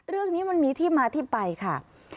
เรื่องนี้มันมีที่มาที่ไปค่ะ